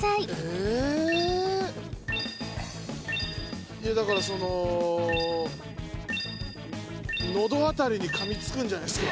えっいやだからそのノド辺りにかみつくんじゃないっすか？